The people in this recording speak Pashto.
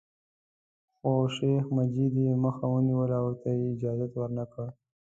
خو شیخ مجید یې مخه ونیوله او ورته یې اجازه ورنکړه.